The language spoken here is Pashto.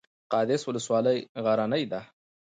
قادس ولسوالۍ غرنۍ ده؟